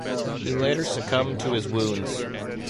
He later succumbed to his wounds.